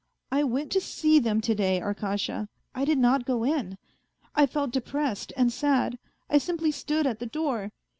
... I went to see them to day, Arkasha; I did not go in. I felt depressed and sad. I simply stood at the door.